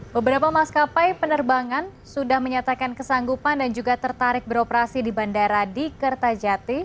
beberapa maskapai penerbangan sudah menyatakan kesanggupan dan juga tertarik beroperasi di bandara di kertajati